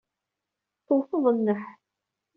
Tewteḍ nneḥ.